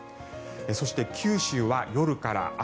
そして、九州は夜から雨。